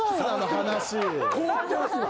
凍ってますね。